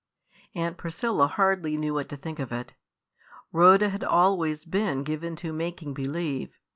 Aunt Priscilla hardly knew what to think of it. Rhoda had always been given to "making believe."